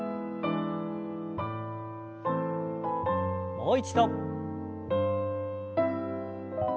もう一度。